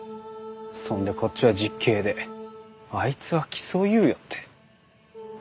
そんでこっちは実刑であいつは起訴猶予って。